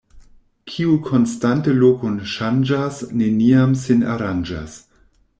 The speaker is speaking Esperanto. Kiu konstante lokon ŝanĝas, neniam sin aranĝas.